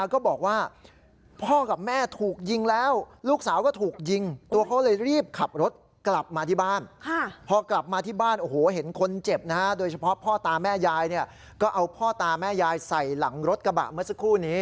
ก็เอาพ่อตาแม่ยายใส่หลังรถกระบะเมื่อสักครู่นี้